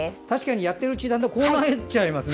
確かにやってるうちにこうなっちゃいますね。